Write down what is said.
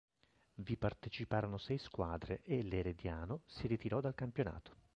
Vi parteciparono sei squadre e l'Herediano si ritirò dal campionato.